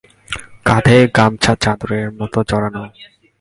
কাঁধে গামছা চাদরের মতো জড়ানো।